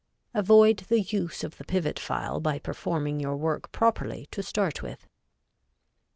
Avoid the use of the pivot file by performing your work properly to start with.